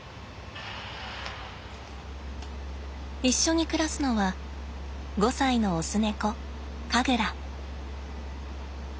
一緒に暮らすのは５歳の雄猫カグラ。